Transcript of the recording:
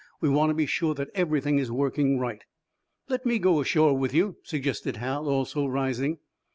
We want to be sure that everything is working right." "Let me go ashore with you," suggested Hal, also rising.